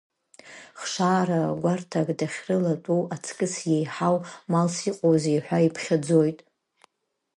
Хшара гәарҭак дахьрылатәоу аҵкыс еиҳау малс иҟоузеи ҳәа иԥхьаӡоит.